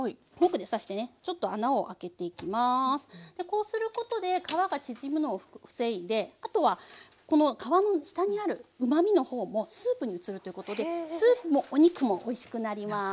こうすることで皮が縮むのを防いであとはこの皮の下にあるうまみの方もスープに移るということでスープもお肉もおいしくなります。